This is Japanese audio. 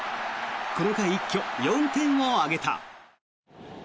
この回、一挙４点を挙げた。